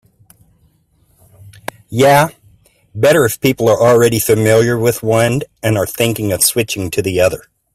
Yeah, better if people are already familiar with one and are thinking of switching to the other.